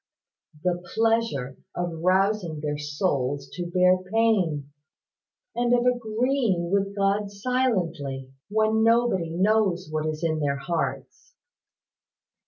"The pleasure of rousing their souls to bear pain, and of agreeing with God silently, when nobody knows what is in their hearts.